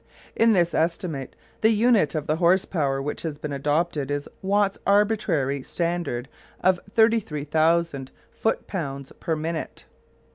In this estimate the unit of the horse power which has been adopted is Watt's arbitrary standard of "33,000 foot pounds per minute".